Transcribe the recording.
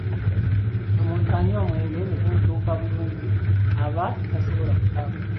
Omuntu anywa omwenge ne gumutuuka bulungi aba tasobola kutambula.